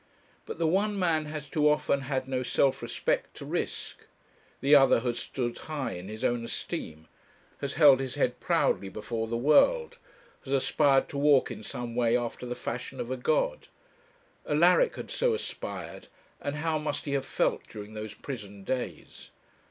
But the one man has too often had no self respect to risk; the other has stood high in his own esteem, has held his head proudly before the world, has aspired to walk in some way after the fashion of a god. Alaric had so aspired, and how must he have felt during those prison days!